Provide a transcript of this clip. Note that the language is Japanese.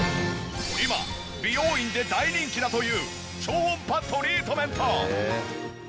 今美容院で大人気だという超音波トリートメント！